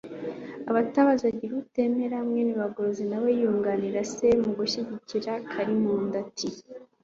Abatabazi bagira ubatemera,” mwene Bagorozi na we yunganira se mu gushyigikira Kalimunda ati